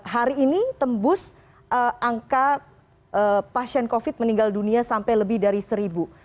hari ini tembus angka pasien covid meninggal dunia sampai lebih dari seribu